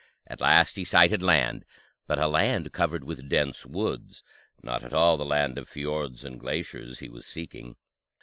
At last he sighted land, but a land covered with dense woods, not at all the land of fiords and glaciers he was seeking.